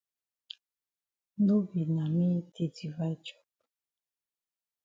No be na me di divide chop.